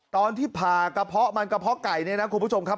ตอนที่ผ่ากระเพาะมันกระเพาะไก่เนี่ยนะคุณผู้ชมครับ